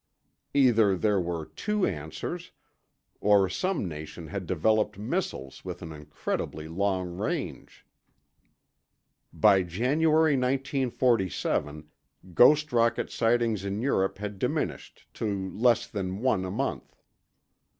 Either there were two answers, or some nation had developed missiles with an incredibly long range. By January 1947, ghost rocket sightings in Europe had diminished to less than one a month.